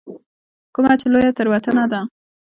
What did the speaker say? کومه چې لویه تېروتنه ده.